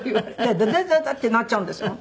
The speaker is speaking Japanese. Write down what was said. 「ダダダダ」ってなっちゃうんですもん。